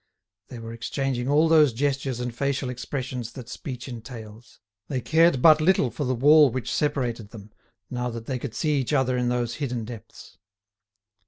They were exchanging all those gestures and facial expressions that speech entails. They cared but little for the wall which separated them now that they could see each other in those hidden depths.